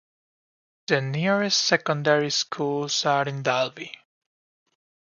The nearest secondary schools are in Dalby.